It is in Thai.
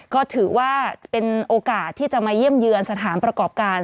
ก็ถือว่าเป็นโอกาสที่จะมาเยี่ยมเยือนสถานประกอบการ